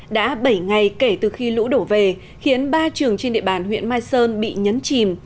đã bảy ngày kể từ khi lũ đổ về khiến ba trường trên địa bàn huyện mai sơn bị nhấn chìm